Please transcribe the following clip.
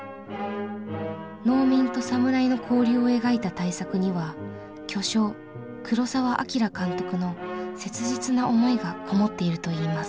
農民と侍の交流を描いた大作には巨匠黒澤明監督の切実な思いがこもっているといいます。